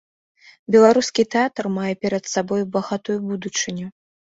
Беларускі тэатр мае перад сабою багатую будучыню.